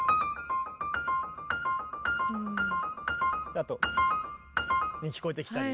あと。に聞こえてきたり。